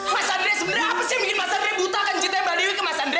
mas andri sebenernya apa sih yang bikin mas andri buta akan cintanya mbak dewi ke mas andri